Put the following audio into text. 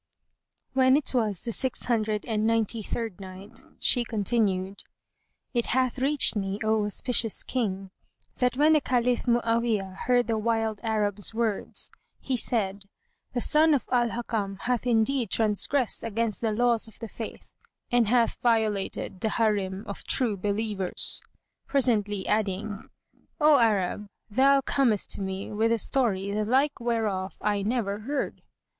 When it was the Six Hundred and Ninety third Night, She continued, It hath reached me, O auspicious King, that when the Caliph Mu'awiyah heard the wild Arab's words, he said, "The son of Al Hakam hath indeed transgressed against the laws of the Faith and hath violated the Harim of True Believers," presently adding, "O Arab, thou comest to me with a story, the like whereof I never heard!"